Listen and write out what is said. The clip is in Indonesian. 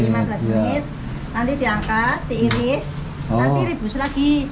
nanti diangkat diiris nanti rebus lagi